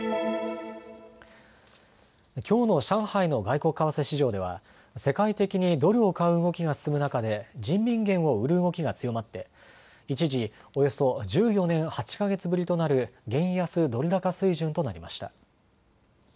きょうの上海の外国為替市場では世界的にドルを買う動きが進む中で人民元を売る動きが強まって一時およそ１４年８か月ぶりとなる元安ドル高水準となりました。